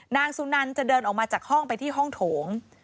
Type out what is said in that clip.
นางสุนันจะเดินออกมาจากห้องไปที่ห้องโถง